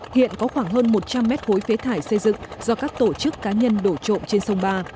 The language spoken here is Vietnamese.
hiện có khoảng hơn một trăm linh mét khối phế thải xây dựng do các tổ chức cá nhân đổ trộm trên sông ba